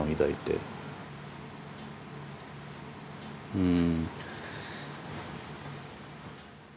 うん。